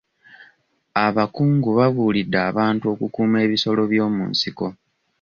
Abakungu babuulidde abantu okukuuma ebisolo by'omu nsiko.